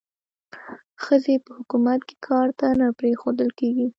ښځې په حکومت کې کار ته نه پریښودل کېږي.